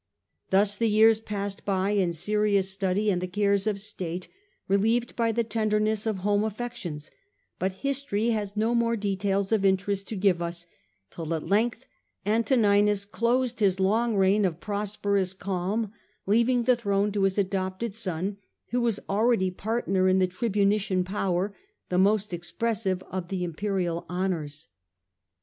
Thus the years passed by in serious study and the cares of state, relieved by the tenderness of home affec tions ; but history has no more details of in terest to give us, till at length Antoninus closed tieath of ,.,.^^. Antoninus his long reign of prosperous calm, leaving he shared the throne to his adopted son, who was al powwSdth' ready partner in the tribunician power, the Lucius most expressive of the imperial honours.